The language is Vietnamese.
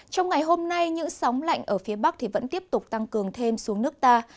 trong ngày hôm nay những sóng lạnh ở phía bắc vẫn tiếp tục tăng cường thêm xuống nước ta